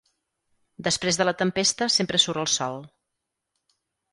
Després de la tempesta sempre surt el sol.